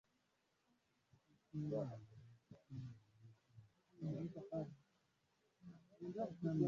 Tunaweza kumsaidia kijana huyo